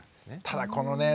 ただこのね